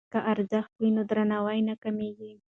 که ارزښت وي نو درناوی نه کمېږي.